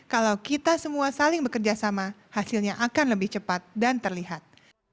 kalau kita semua saling bekerjasama hasilnya akan lebih cepat dan terlihat